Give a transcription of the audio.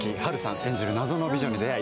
演じる謎の美女に出会い